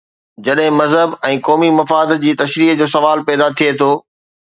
جڏهن مذهب ۽ قومي مفاد جي تشريح جو سوال پيدا ٿئي ٿو.